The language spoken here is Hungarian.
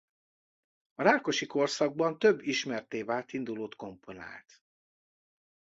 A Rákosi-korszakban több ismertté vált indulót komponált.